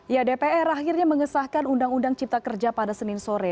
ya dpr akhirnya mengesahkan undang undang cipta kerja pada senin sore